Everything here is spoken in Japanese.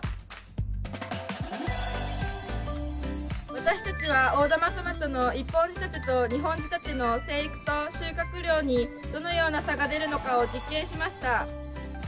私たちは大玉トマトの１本仕立てと２本仕立ての生育と収穫量にどのような差が出るのかを実験しました。